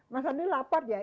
mas sandi lapar ya